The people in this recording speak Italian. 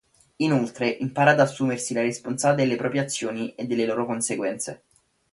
Inoltre impara a assumersi la responsabilità delle proprie azioni e delle loro conseguenze.